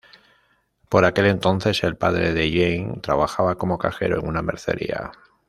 Por aquel entonces, el padre de Jeanne trabajaba como cajero en una mercería.